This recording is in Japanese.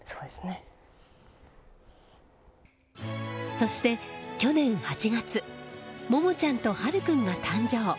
そして、去年８月ももちゃんとはる君が誕生。